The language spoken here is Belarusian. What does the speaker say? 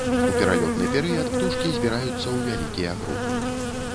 У пералётны перыяд птушкі збіраюцца ў вялікія групы.